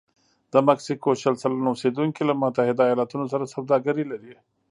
د مکسیکو شل سلنه اوسېدونکي له متحده ایالتونو سره سوداګري لري.